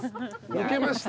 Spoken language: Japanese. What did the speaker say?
抜けました。